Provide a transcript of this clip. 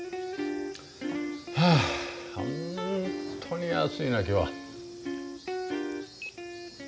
はあ本当に暑いな今日は。